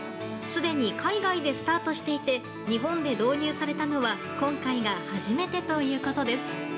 すでに海外でスタートしていて日本で導入されたのは今回が初めてということです。